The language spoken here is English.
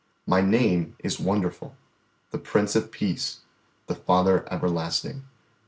My name is Wonderful, the Prince of Peace, the Father Everlasting.